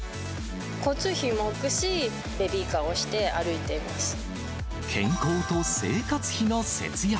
交通費も浮くし、健康と生活費の節約。